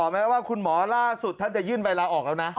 แม้ว่าคุณหมอล่าสุดท่านจะยื่นใบลาออกแล้วนะ